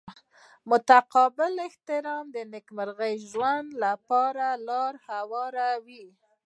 متقابل احترام د نیکمرغه ژوند لپاره لاره هواروي.